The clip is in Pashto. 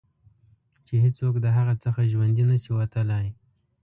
چې هېڅوک د هغه څخه ژوندي نه شي وتلای.